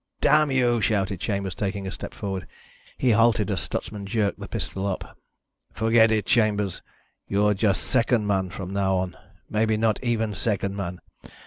"Damn you!" shouted Chambers, taking a step forward. He halted as Stutsman jerked the pistol up. "Forget it, Chambers. You're just second man from now on. Maybe not even second man.